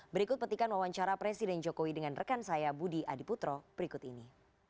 berikut petikan wawancara presiden jokowi dengan rekan saya budi adiputro berikut ini